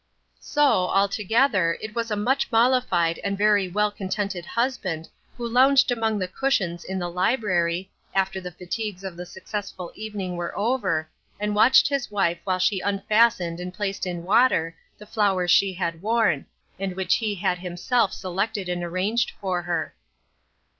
So, altogether, it was a much mollified and very well contented husband who lounged among the cushions in the library, after the fatigues of the successful evening were over, and watched his wife while she unfastened and placed in water the flowers she had worn, and which he had himself selected and arranged for her.